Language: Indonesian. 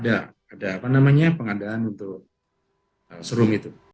ada pengadaan untuk serum itu